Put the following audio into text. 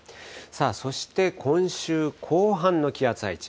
そして今週後半の気圧配置。